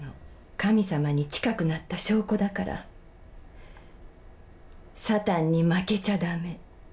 神様に近くなった証拠だから、サタンに負けちゃだめ。